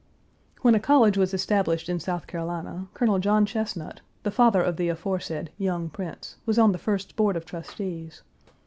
When a college was established in South Carolina, Colonel John Chesnut, the father of the aforesaid Young Prince, was on the first board of trustees.